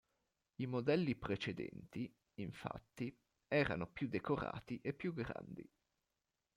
I modelli precedenti, infatti, erano più decorati e più grandi.